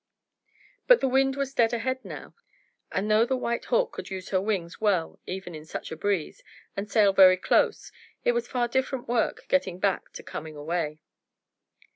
But the wind was dead ahead now, and though the White Hawk could use her wings well even in such a breeze, and sail very close, it was far different work getting back to coming away.